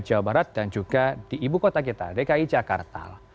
jawa barat dan juga di ibu kota kita dki jakarta